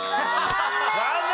残念。